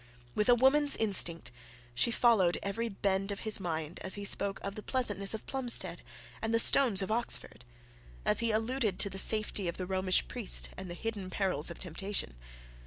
With a woman's instinct she followed every bend of his mind, as he spoke of the pleasantness of Plumstead and the stones of Oxford, as he alluded to the safety of the Romish priest and the hidden perils of temptation.